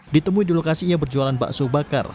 ditemui di lokasi ia berjualan bakso bakar